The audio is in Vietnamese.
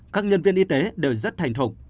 các nhân viên y tế đều rất thành thục